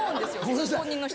通行人の人。